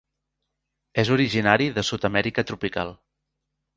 És originari de Sud-amèrica tropical.